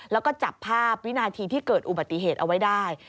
แล้วก็จับภาพวินาทีที่เกิดอุบัติเหตุเอาไว้ได้